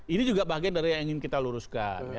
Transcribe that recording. ini juga bagian dari yang ingin kita luruskan